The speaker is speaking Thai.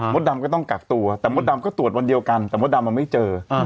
ดำก็ต้องกักตัวแต่มดดำก็ตรวจวันเดียวกันแต่มดดำมันไม่เจอ